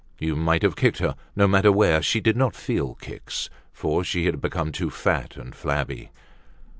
You might have kicked her, no matter where, she did not feel kicks for she had become too fat and flabby.